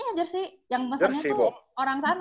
iya jersey yang mesennya tuh orang sana